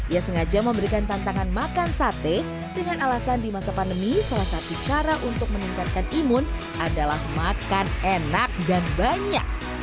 ia sengaja memberikan tantangan makan sate dengan alasan di masa pandemi salah satu cara untuk meningkatkan imun adalah makan enak dan banyak